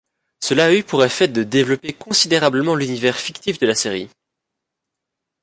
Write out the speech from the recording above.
Cela a eu pour effet de développer considérablement l'univers fictif de la série.